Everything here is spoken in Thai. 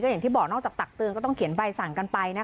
อย่างที่บอกนอกจากตักเตือนก็ต้องเขียนใบสั่งกันไปนะคะ